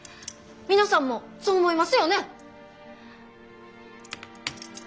皆さんもそう思いますよね？